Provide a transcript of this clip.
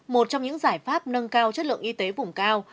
một trong những giải pháp nâng cao chất lượng y tế vùng cao